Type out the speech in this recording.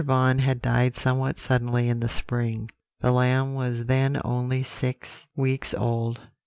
Vaughan had died somewhat suddenly in the spring; the lamb was then only six weeks old.